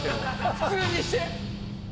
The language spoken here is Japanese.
普通にして！